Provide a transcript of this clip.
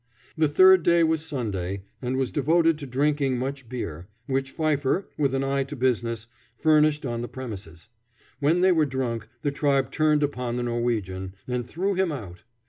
The third day was Sunday, and was devoted to drinking much beer, which Pfeiffer, with an eye to business, furnished on the premises. When they were drunk, the tribe turned upon the Norwegian, and threw him out.